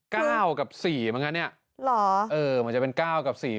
ก้าวกับสี่เหมือนกันเนี้ยหรอเออมันจะเป็นก้าวกับสี่